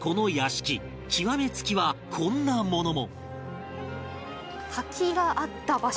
極め付きはこんなものも